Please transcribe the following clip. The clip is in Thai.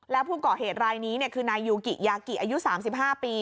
แล้วผู้ก่อเหตุรายนี้เนี้ยคือนายูกิยากิอายุสามสิบห้าปี